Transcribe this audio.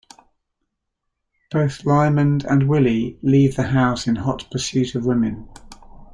Both Lymon and Willie leave the house in hot pursuit of women.